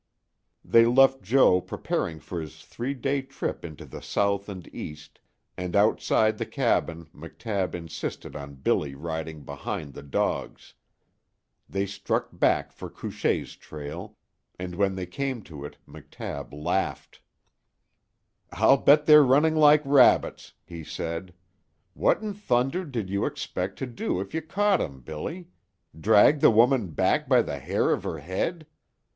They left Joe preparing for his three day trip into the south and east, and outside the cabin McTabb insisted on Billy riding behind the dogs. They struck back for Couchée's trail, and when they came to it McTabb laughed. "I'll bet they're running like rabbits," he said. "What in thunder did you expect to do if you caught 'em, Billy? Drag the woman back by the hair of 'er 'ead?